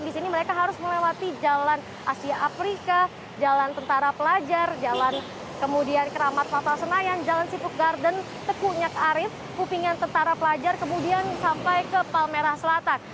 di sini mereka harus melewati jalan asia afrika jalan tentara pelajar jalan kemudian keramat fatal senayan jalan cipuk garden tekunyak arif kupingan tentara pelajar kemudian sampai ke palmerah selatan